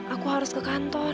aku harus ke kantor